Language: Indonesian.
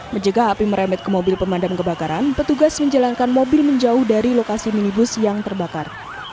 menjaga api merembet ke mobil pemadam kebakaran petugas menjalankan mobil menjauh dari lokasi minibus yang terbakar